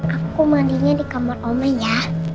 aku mandinya di kamar omin ya